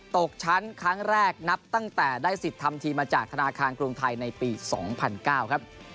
ตกชั้นครั้งแรกนับตั้งแต่ได้สิทธิ์ทำทีมมาจากธนาคารกรุงไทยในปี๒๐๐๙ครับ